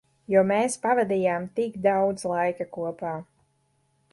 Jo mēs pavadījām tik daudz laika kopā.